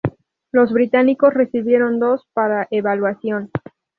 Los británicos recibieron dos para evaluación.